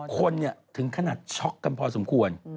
คนถึงขนาดช็อกกันพอสมควร